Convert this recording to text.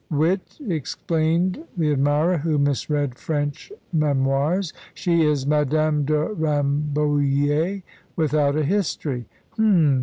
wit!" explained the admirer, who misread French memoirs. "She is Madame de Rambouillet without a history." "Hum!